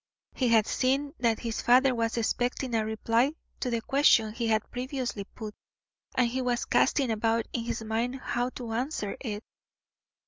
He had seen that his father was expecting a reply to the question he had previously put, and he was casting about in his mind how to answer it.